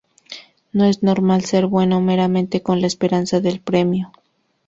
No es moral ser bueno meramente con la esperanza del premio.